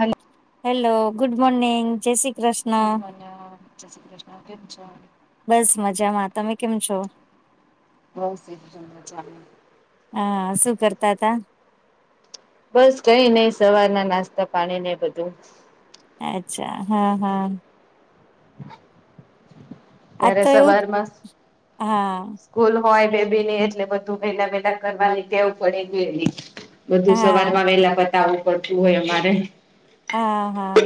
Hello hello good morning જય Shri Krishna. Good morning જય શી કૃષ્ણ કેમ છો? બસ મજામાં તમે કેમ છો બસ એક જણ નું ચાલે. હા શું કરતા તા? બસ કઈ નય સવાર ના નાસ્તા, પાણી ને એ બધું. અચ્છા હા હા. આજ ત્યારે તો ઓ સવારમાં હા. સ્કૂલ હોય બેબી ની એટલે બધું પેલા પેલા કરવાની ટેવ પડી ગેલી. બધું હા સવાર માં વેલા પતાવવું પડતું હોય અમારે હા હા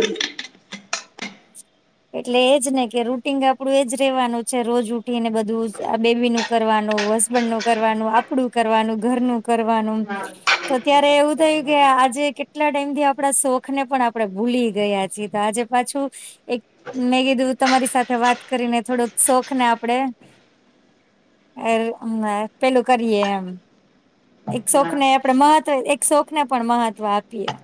એટલે એજ ને કે રૂટિન આપડું એજ રેવાનું છે રોજ ઉઠીને બધું આ બેબીનું. કરવાનું હસબેન્ડ નું કરવાનું આપડું કરવાનું ઘરનું કરવાનું. હા તો સાચી ત્યારે વાત એવું છે થાય કે તમારી. આજે કેટલા ટાઈમ થી આપડે શોખ ને પણ આપડે ભૂલી ગયા છીએ. આજે પાછું એક મેં કીધું તમારી સાથે વાત કરીને થોડોક શોખ ને આપડે એલ એમ પેલું કરીએ એમ. એક શોખ હા ને આપડે મહત્વ, એક શોખ ને પણ મહત્વ આપીએ.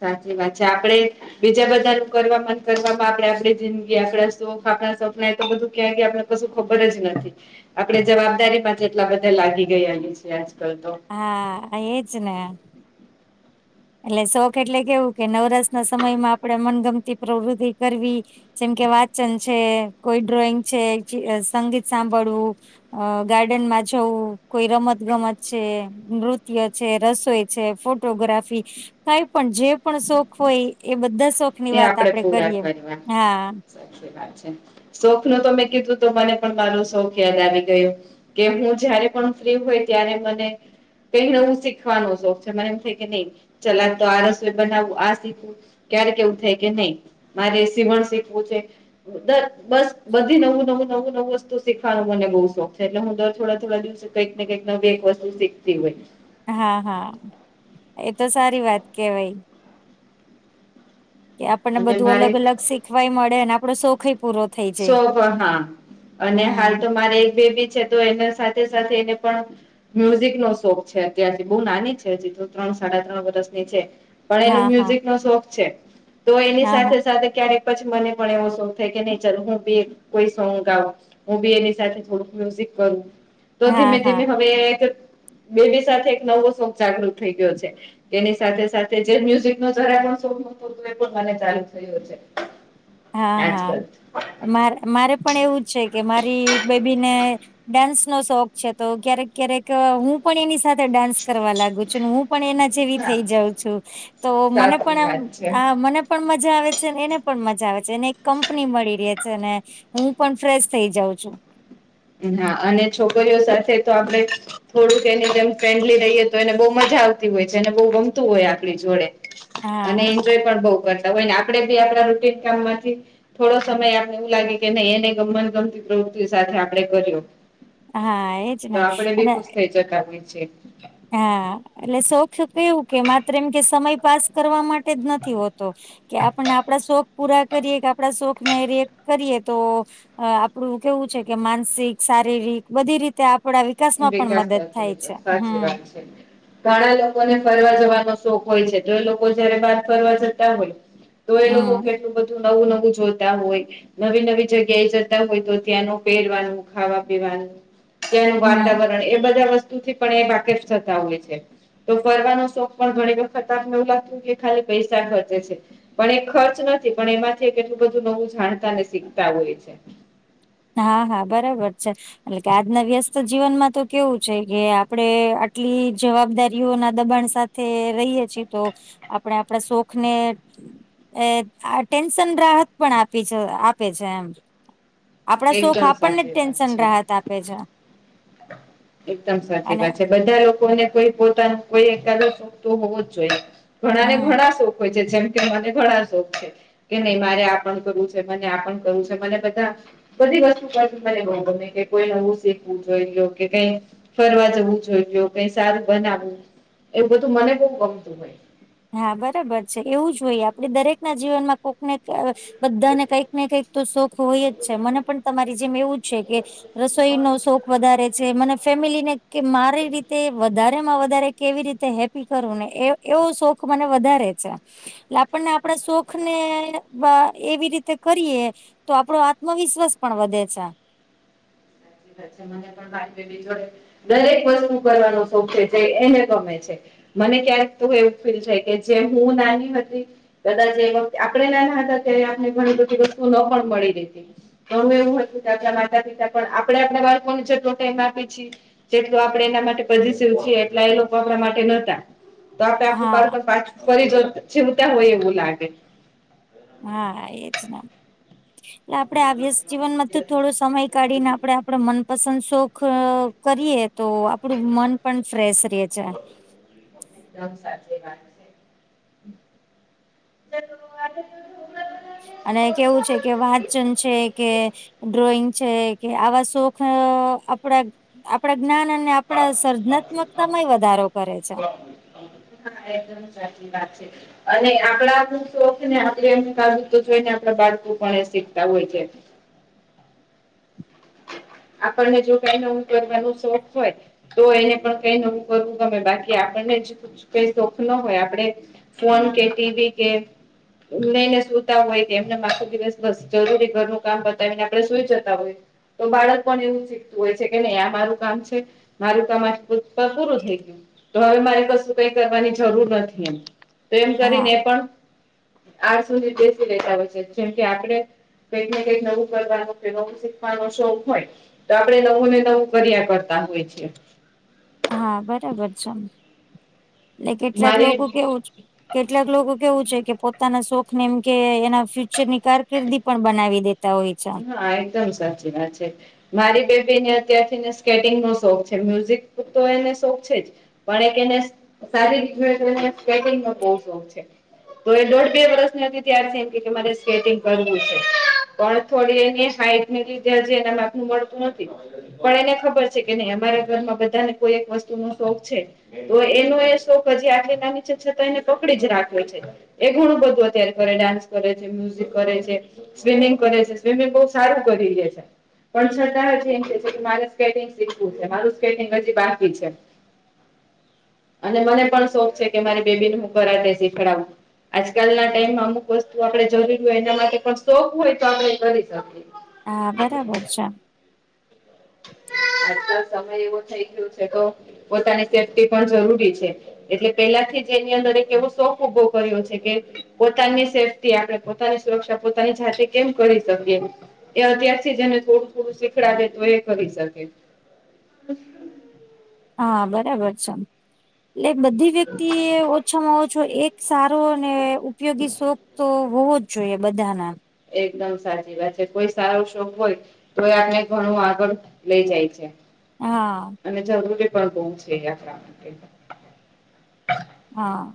સાચી વાત છે. આપડે બીજા બધા નું કરવા પાછળ કરવામાં આપે આપ જિંદગી આપડા શોખ આપણા સપના તો બધું ક્યાં આપણે, કશું ખબર જ નથી આપે જવાબદારીમાં એટલા બધા લાગી ગયલી છે આજકાલ તો. હા એજ ને એટલે શોખ એટલે કેવું કે નવરાશ ના સમયમાં આપડે મનગમતી પ્રવૃતિ કરવી જેમ કે વાચન છે કોઈ ડ્રોઈંગ છે સંગીત સાંભળવું અ ગાર્ડનમાં જવું કોઈ રમત ગમત છે નૃત્ય છે રસોઈ છે ફોટોગ્રાફી કઈ પણ જે પણ શોખ હોય એ બધા શોખ ની એ વાત આપણેે આપડે પૂરા કરીએ કરવા હા સાચી વાત છે શોખ નું તો મેં કીધું તો મને પણ મારું શોખ યાદ આવી ગયું કે હું જયારે પણ ફ્રી હોય ત્યારે મને પલુ હું શીખવાનો શોખ છે મને એમ થાય કે નહી ચલા તો આ રસોઈ બનાવું આ શીખવું. ક્યારે કેવું થાય કે નહી મારે સીવણ શીખવું છે. બ બસ બધી નવું નવું નવું નવું વસ્તુ. શીખવાનો મને બઉુ શોખ છે એટલે હું દર થોડા થોડા દિવસે કંઈક ને કંઈક ન બે એક વસ્તુ શીખતી હોય. હા હા એતો સારી વાત કેવાય. કે આપણને અને બધું મારે અલગ અલગ શીખવાય મળે અને આપડો શોખય પૂરો. થઈ જાય. સો હા અને હાલ હમ તો મારે એક બેબી છે. તો એને સાથે સાથે એને પણ મ્યુઝિક નો શોખ છે અત્યાર બહુ નાની છે ત્રણ સાડા ત્રણ વર્ષની છે. પણ એનો હા હા મ્યુઝિક નો શોખ છે તો એની હા સાથે હા સાથે ક્યારેક પછી મને પણ એવો શોખ થાય કે નહી. ચ હું બી કો સોંગ ગા હું બી એની સાથે થોડુંક મ્યુઝિક કરું તો હા ધીમે હા ધીમે હવે એક બેબી સાથે એક નવો શોક જાગૃત થઈ ગયો છે. તેની સાથે સાથે જે મ્યુઝિક ન જરા પણ શતો એ પણ મ ચાલુ થયો છે. હા હા આજકાલ મારે મારે પણ એવું છે કે મારી બેબીને ડાન્સ નો શોખ છે તો ક્યારેક ક્યારેક હું પણ એની સાથે ડાન્સ કરવા લાગુ છું હું પણ એના જેવી હા થઈ જઉ છું તો મને સાચી પણ વાત આ છે મને પણ મજા આવે છે એને પણ મજા આવે છે. ને એક કંપની મળી રહે છે અને હું પણ ફ્રેશ થઈ જાઉં છું. હા અને છોકરીઓ સાથે તો આપડે થોડુંક એની જેમ ફ્રેન્ડલી રહીએ તો એને બહુ મજા આવતી હોય છે એને બહુ ગમતું હોય આપણી જોડે અને હા એન્જોય પણ બહુ કરતા હોય આપે બી આપણા રૂટીન કામમાંથી થોડો સમય આપને એવું લાગે કે ન એને ગમન ગમતી પ્રવૃત્તિ સાથે આપડે કર્યો હા એજ તો ને આપણે અને બી ખુશ થઈ જતા હોએ છે. હા એટલે શોખ કેવું કે માત્ર એમ કે સમય પાસ કરવા માટે. જ નથી હોતો કે આપને આપડા શોખ પૂરા કરીએ કે આપડા શોખ ને રિએ્ટ કરીએ તો અ આપડું કેવું છે કે માનસિક શારીરિક બધી રીતે આપડા વિકાસમાં પણ વિકાસ મદદ થાતો થાય હોય છે સાચી હમ વાત છે. ઘણા લોકોને ફરવા જવાનો શોખ હોય છે જો એ લોકો જયારે બાદ ફરવા જતા હોય તો એ લોકો હમ કેટલું બધું નવું નવું જોતા હોય નવી નવી જગ્યાએ જતા હોય તો ત્યાં ન પહેરવાનું ખાવા પીવાનું ત્યાંનું હમ વાતાવરણ એ બધા વસ્તુથી પણ એ વાકેફ થતા હોય છે. તો ફરવાનો શોખ પણ ઘણી વખત આપને એવું લાગતું કે ખાલી પૈસા ખર્ચે છે. પણ એ ખર્ચ નથી પણ એમાંથી કેટલું બધું નવું જાણતા ને શીખતા હોય છે. હા હા બરાબર છે. એટલે કે આજના વ્યસ્ત જીવનમાં તો કેવું છે કે આપણે આટલી જવાબદારીઓ ના દબાણ સાથે રહીએ છીએ તો આપણે આપણા શોખ ને એ આ ટેન્શન રાહત પણ આપી છે આપે છે એમ આપણા શોખ એકદમ આપણને સાચી વાત ટેન્શન છે. રાહત આપે જ [unintelligible] એકદમ સાચી અને વાત છે. બધા લોકોને કોઈ પોતાનું કોઈ એક સુખ તો હોવો જ જોઈએ ઘણા ને હમ ઘણા સોખ હોય છ. કે જેમ કે મને ઘણા શોખ છે. કે નહી મારે આ પણ કરવું છે મને આ પણ કરવું છે મને બધા બધી વસ્તુ કર મને બઉ ગમે કે કોઈનેવું શીખવું જોઈ લો કે કઈ ફરવા જવું જોઈ લો કઈ સારું બનાવવું એ બધું મને બહુ ગમતું હોઈ હા બરાબર છે એવું જ હોઈએ આપે દરેક ના જીવનમાં કોકને અ બધાને કંઈક ને કઈક તો શોખ હોય જ છે મને પણ તમારી જેમ એવું છે કે રસોઈ નો શોખ વધારે છે મને ફેમિલીને કે મારી રીતે વધારે માં વધારે કેવી રીતે હેપી કરવું ને એવો શોખ ખ મને વધારે છે. એલે ટ આપણને આપડા શોખ ને બા એવી રીતે કરીએ તો આપડો આત્મવિશ્વાસ પણ વધે છે. [unintelligible] જોડે દરેક વસ્તુ કરવાનું સોખ છે એને ગમે છે. મને ક્યા્યારેક તો એવું ફીલ થાય કે જેમ હું નાની હતી કદાચ એ વખતે આપણે નાના હતા ત્યારે આપને ઘણી બધી વસ્તુ ન પણ મળી દેતી તોમે એવું હતું કે આપણા માતા પિતા પણ આપડે આપણા બાળકોને જેટલો ટાઈમ આપી છી તેટલ આપડે એના માટે પોઝિટિવ છીએ એટલા એ લોકો આપણા માટે નહતા તો આપડે આપું બાળક હા પાછું ફરી જીવતા હોય એવું લાગે હા એજ ને એલે આપડે આ વ્યસ જીવન માં તો થોડો સમય કાઢીને આપડે આપડ મનપસંદ શોખ કરીએ તો આપડું મન પણ ફ્રેશ રહે છે. દમ સાચી વાત [unintelligible] અને કેવું છે કે વાચન છે કે ડ્રોઈંગ છે કે આવા શોખ આપડા આપણા જ્ઞાન અને આપડ સર્જનાત્મકતામાં વધારો કરે છે. હા એકદમ સાચી વાત છે અને આપણા આપ શોખને આપ એમ કરુ તો જોઈને આપ બાળકો પણ શીખતા હોય છે. આપણને જો કઈ નવું કરવાનો શોખ હોય તો એને પણ કઈ નવું કરવું ગમે બાકી આપણને જ કઈ શોખ ન હોય આપડે ફોન કે ટીવી કે મેને સુતા હોય કે એમને આખો દિવસ બસ જરૂરી ઘરનું કામ બતાવીને આપડે સુઈ જતા હોય તો બાળક પણ એવું શીખતું હોય છે કે નહી આ મારું કામ છે મારું કામ આ પૂરું થઈ ગયું તો હવે મારી પાુ કઈ કરવાની જરૂર નથી એમ તો એમ કરીને હા એ પણ આ સુધી બેસી લેતા હોય છે જેમ કે આપડ કંઈક ને કંઈક નવું કરવાનું કે નવું શીખવાનો શોખ હોય તો આપડણે નવું ને નવું કરયા કરતા હોય છે. હા બરાબર છેમ એટલે કેટલાક મારી લોકો કેવું છે. કેટલાક લોકો કેવું છે કે પોતાના શોખને એમ કે એના ફ્યુચરની કારકિર્દી પણ બનાવી દેતા હોય છે. હા એકદમ સાચી વાત છે. મારી બેબી ને અત્યારને સ્કેટિંગ નો શોખ છે મ્યુઝિક તો એને શોખ છે જ. પણ એક એને સારી રીતેટ ન [unintelligible] બો શોખ છે તો એ દોઢ બે વર્ષની હતી ત્યારથી એમ કેરે સ્વેટિંગ કરવું છે પણ થોડી એની હાઈટ નથી જેથી એના માથું મળતું નથી. પણ એને ખબર છે કે નહી અમારા ઘરમાં બધાને કોઈ એક વસ્તુ નો શોક છે. તો એનો એ શોખ હજી આટલી નાની છે છતાં એને પકડીજ રાખ્યો છે. એ ઘણું બધું અત્યારે કરે, ડાન્સ કરે છે, મ્યુઝિક કરે છે, સ્વિમિંગ કરે છે. સ્વિમિંગ બઉુ સારું કરી રહી છે. પણ છતાં અજી એમ કેછે કે મારે સ્કેટંગ શીખવું છે, મારું સ્કેટિંગ હજી બાકી છે. [inaudible] અને મને પણ શોખ છે કે મારી બેબી ને હું કરાઠે શીખડાવું. આજકાલ ના ટાઈમમાં અમુક વસ્તુ આપડે જરૂરી હોય એના માટે પણ શોખ હોય તો આપડે કરી શકીએ. આ બરાબર છે. આજ કાલ સમય એવો થઈ ગયો છે, તો પોતાની સેફ્ટી પણ જરૂરી છે. એટલે પેલા થી જ એની અંદર એક એવો શોખ ઉભો કર્યો છે કે, પોતાની સેફ્ટી આપણે પોતાની સુરક્ષા પોતાની જાતે કેમ કરી શકીએ. એ અત્યારથી જ એને થોડું થોડું શિખડાવે તો એ કરી શકે. [inaudible] હા બરાબર છમ, એટલે બધી વ્યક્તિ ઓછામાં ઓ છો એક સારો અને ઉપયોગી શોખ તો હોવો જ જોઈએ બધાના. એકદમ સાચી વાત છે, કોઈ સારો શોખ હોય તો એ આપને ઘણું આગળ લઈ જાય છે. હા અને જરૂરી પણ બહુ છે એ આપડા માટે. હા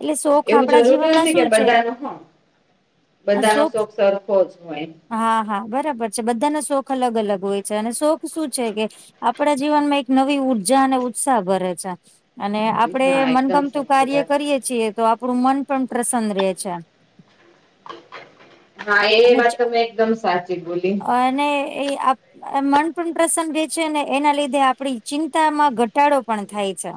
એટલે શોખ એવું આપણા જરૂરી જીવનમાં નથી કે શું છે બધા નહ, બધાનો શોખ સર ખોજ હોય. હા હા બરાબર છે, બધાનો શોખ અલગ અલગ હોય છે, અને શોખ શું છે કે આપણા જીવન માં એક નવી ઉર્જા અને ઉત્સાહ ભરે છે. અને આપડે હા એકદમ મનગમતું સાચી કાર્ય વાત. કરીએ છીએ, તો આપડું મન પણ પ્રસન્ન રહેે છે. હા એ અને વાત તમે એકદમ સાચી બોલી. અને એ આપ મન પણ પ્રસન્ન રે છે, ને એના લીધે આપડી ચિંતા માં ઘટાડો પણ થાય છે.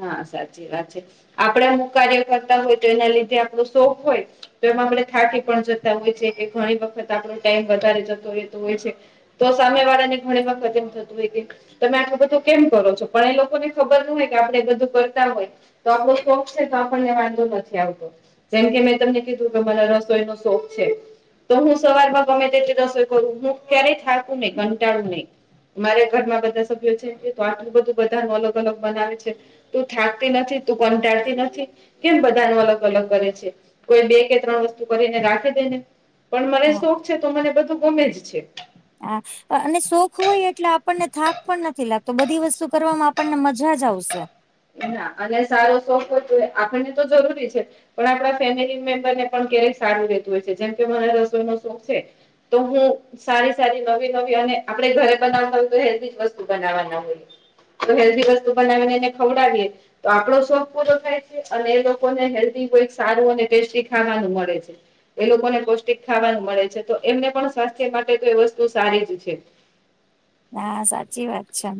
ના સાચી વાત છે, આપડે અમુક કાર્ય કરતા હોય તો એના લીધે આપણો શોખ હોય તો એમાં આપણે થાકી પણ જતા હોય છે, કે ઘણી વખત આપણો ટાઈમ વધારે જતો રહેતો હોય છે. તો સામે વાળા ને ઘણી વખત એમ થતું હોય કે, તમે આ ખબર તો કેમ કરો છો? પણ એ લોકોને ખબર ન હોય કે આપણે બધું કરતા હોય, તો આપણો શોખ છે તો આપણને વાંધો નથી આવતો. જેમકે મેં તમને કીધું કે મને રસોઈ નો શોખ છે. તો હું સવારમાં ગમે તેટલી રસોઈ કરું, હું ક્યારેય થાકું નહી, કાંટાળું નહી. મારે ઘરમાં બધા સભ્યો છે, તો આટલું બધું બધા ન અલગ અલગ બનાવે છ. તું થાકતી નથી, તું કંટાળતી નથી. કેમ બધા નુ અલગ અલગ કરે છે, કોઈ બે કે ત્રણ વસ્તુ કરીને રાખે દે ને. પણ મને શોખ છે તો મને બધું ગમે જ છે. આ અને શોખ હોય એટલે આપણને થાક પણ નથી લાગતો, બધી વસ્તુ કરવામાં આપણને મજાજ આવશે. એના અને સારો શોખ હોયતો આપણને તો જરૂરી છે. પણ આપણા ફેમિલી મેમ્બર ને પણ ક્યારેક સારું રહેેતું હોય છે જેમ કે મને રસોઈનો શોખ છે તો હું સારી સારી નવી નવી, અને આપડે ઘરે બનાવતા હોયતો, હેલ્ધીજ વસ્તુ બનાવવાના હોયએ. તો હેલ્ધી વસ્તુ બનાવીને એને ખવડાવીએ તો આપડો શોખ પૂરો થાય છે, અને એ લોકોને હેલ્ધી કોઈ સારું અને ટેસ્ટી ખાવાનું મળે છે. એ લોકોને પૌષ્ટિક ખાવાનું મળે છે, તો એમને પણ સ્વાસ્થ્ય માટેતો એ વસ્તુ સારીજ છે.. હા સાચી વાત છે, આમ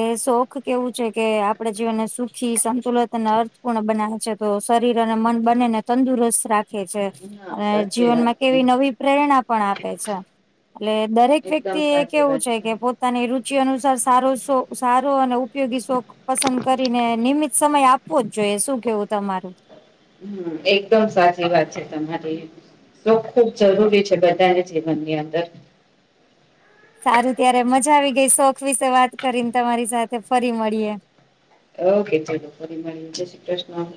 એ શોખ કેવું છે કે આપડ જીવનને સુખ થી સંતુલિત અને અર્થપૂર્ણ બનાવે છે તો શરીર અને મન બનેને તંદુરસ્ત રાખ છે હા અને સાચી વાત જીવનમાં છે કેવી નવી પ્રેરણા પણ આપે છે એટલે દરેક એકદમ વ્યક્તિ એ સાચી કેવું વાત છે કે પોતાની રુચિ અનુસાર સારો શો સારો અને ઉપયોગી શોખ પસંદ કરીને નિમિત સમય આપવો જ જોઈએ શું કેવું તમારું હમ્મ એકદમ સાચી વાત છે તમારી તો ખુબ જરૂરી છે બધાને જીવનની અંદર સારું ત્યારે મજા આવી ગઈ શોખ વિશે વાત કરીને તમારી સાથે ફરી મળીએે ઓકે ચલો ફરી મળીયે જય શ્રી કૃષ્ણ